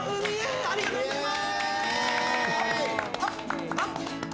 ありがとうございます！